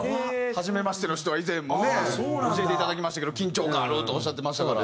はじめましての人は以前もね教えていただきましたけど緊張感あるとおっしゃってましたから。